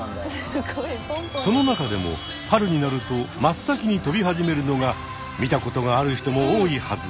その中でも春になると真っ先に飛び始めるのが見たことがある人も多いはず